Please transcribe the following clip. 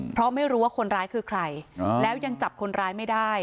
เพราะไม่รู้ว่าคนร้ายคือใครแล้วยังจับคนร้ายไม่ได้